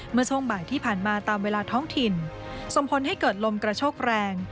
เมื่อช่วงบ่ายที่ผ่านมาตามเวลาท้องถิ่นส่งผลให้เกิดลมกระโชกแรง